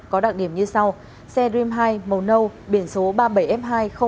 có đặc điểm như sau xe dream hai màu nâu biển số ba mươi bảy f hai một trăm tám mươi tám